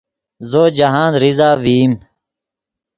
زو جاہند ریزہ ڤئیم